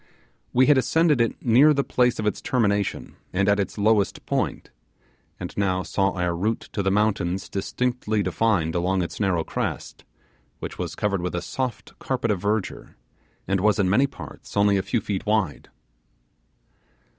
We had ascended it near the place of its termination and at its lowest point, and now saw our route to the mountains distinctly defined along its narrow crest, which was covered with a soft carpet of verdure, and was in many parts only a few feet wide.